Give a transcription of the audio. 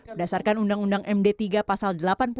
berdasarkan undang undang md tiga pasal delapan puluh tujuh